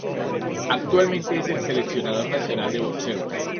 Actualmente es el seleccionador nacional de boxeo.